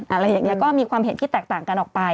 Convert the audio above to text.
อะไรอย่างนี้ก็มีความเห็นที่แตกต่างกันออกไป